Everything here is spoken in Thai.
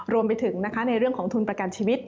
รวมไปถึงในเรื่องของทุนประกันชีวิต